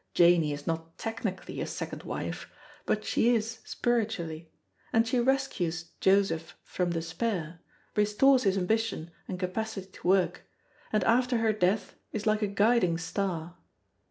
Janey is not technically a second wife, but she is spiritually; and she rescues Joseph from despair, restores his ambition and capacity to work, and after her death is like a guiding star.